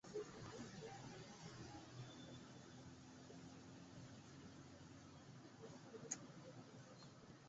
Umoja wa Afrika imesimamisha uanachama wa Sudan tangu mkuu wa jeshi Abdel Fattah al-Burhan kuongoza mapinduzi ya Oktoba mwaka wa elfu mbili na ishirini na moja.